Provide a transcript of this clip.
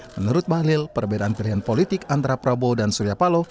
menurut bahlil perbedaan pilihan politik antara prabowo dan surya paloh